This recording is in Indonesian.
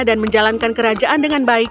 dan menjalankan kerajaan dengan baik